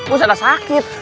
ustaz ada sakit